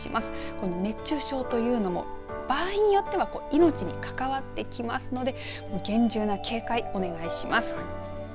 この熱中症というのも場合によっては命に関わってきますので厳重な警戒お願いします。